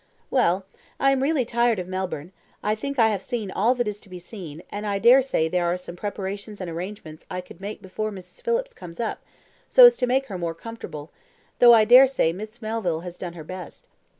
"Well, I am really tired of Melbourne; I think I have seen all that is to be seen, and I dare say there are some preparations and arrangements I could make before Mrs. Phillips comes up, so as to make her more comfortable, though I dare say Miss Melville has done her best.